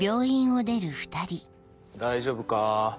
大丈夫か？